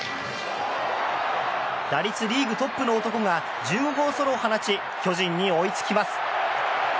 打率リーグトップの男が１０号ソロを放ち巨人に追いつきます。